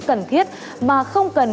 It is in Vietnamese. cần thiết mà không cần